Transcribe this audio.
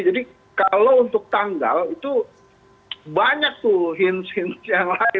jadi kalau untuk tanggal itu banyak tuh hints hints yang lain gitu